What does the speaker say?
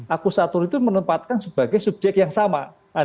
akusatur itu menempatkan sebagai subjek yang sama